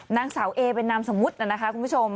นางสาวเอเป็นนามสมุทรคุณผู้ชม